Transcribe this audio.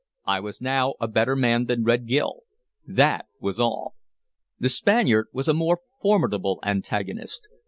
I was now a better man than Red Gil, that was all. The Spaniard was a more formidable antagonist.